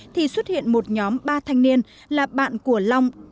thì xuất hiện một nhóm ba thanh niên là bạn của long